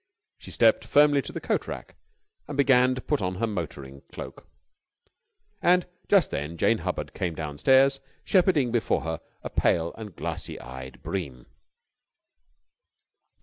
She stepped firmly to the coat rack, and began to put on her motoring cloak. And just then Jane Hubbard came downstairs, shepherding before her a pale and glassy eyed Bream.